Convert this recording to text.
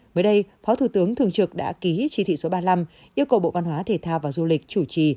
mới đây phó thủ tướng thường trực đã ký chỉ thị số ba mươi năm yêu cầu bộ văn hóa thể thao và du lịch chủ trì